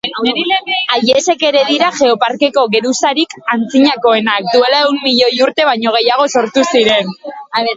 haiexek dira Geoparkeko geruzarik antzinakoenak: duela ehun milioi urte baino gehiago sortu ziren.